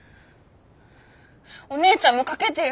お姉ちゃんもかけてよ！